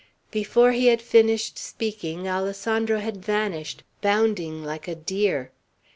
Before he had finished speaking, Alessandro had vanished, bounding like a deer.